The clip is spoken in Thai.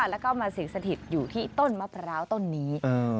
แล้วก็มาสิ่งสถิตอยู่ที่ต้นมะพร้าวต้นนี้